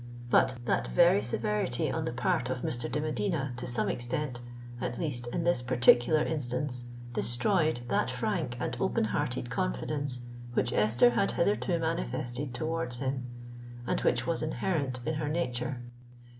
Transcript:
But that very severity on the part of Mr. de Medina to some extent—at least in this particular instance—destroyed that frank and open hearted confidence which Esther had hitherto manifested towards him, and which was inherent in her nature.